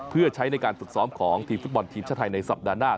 เพื่อใช้ในการฝึกซ้อมของทีมฟุตบอลทีมชาติไทยในสัปดาห์หน้า